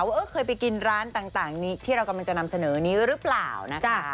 ว่าเคยไปกินร้านต่างนี้ที่เรากำลังจะนำเสนอนี้หรือเปล่านะคะ